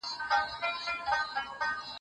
ته بايد د خپل رب په نوم لوستل پيل کړې.